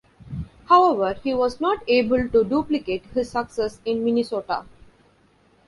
However, he was not able to duplicate his success in Minnesota.